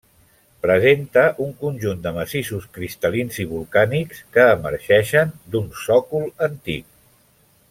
Presenta un conjunt de massissos cristal·lins i volcànics que emergeixen d'un sòcol antic.